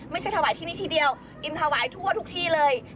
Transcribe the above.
ถวายที่นี่ทีเดียวอิ่มถวายทั่วทุกที่เลย